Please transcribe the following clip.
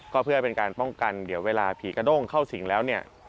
ก็เพื่อเป็นการป้องกันเดี๋ยวเวลาผีกระด้งเข้าสิงแล้วเนี่ย